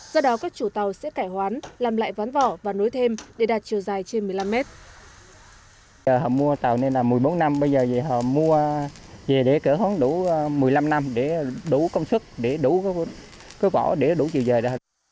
do đó các chủ tàu sẽ cải hoán làm lại ván vỏ và nối thêm để đạt chiều dài trên một mươi năm mét